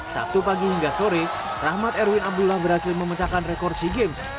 sabtu pagi hingga sore rahmat erwin abdullah berhasil memecahkan rekor sea games